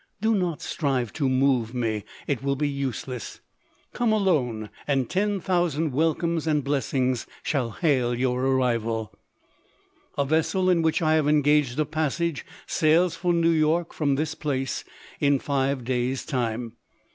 Do not strive to move me — it will be useless ! Come alone ! and ten thousand welcomes and blessings shall hail your arrival !" A vessel, in which I have engaged a passage, sails for New York, from this place, in five days time.